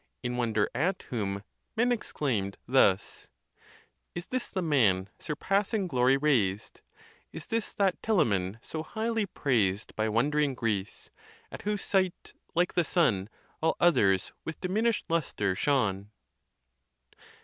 in wonder at whom men exclaimed thus: Is this the man surpassing glory raised ? Is this that Telamon so highly praised By wondering Greece, at whose sight, like the sun, All others with diminish'd lustre shone?